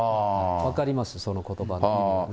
分かります、そのことばの意味はね。